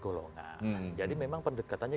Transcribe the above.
golongan jadi memang pendekatannya